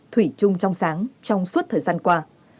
thủy chung trong sáng trong suốt thời gian qua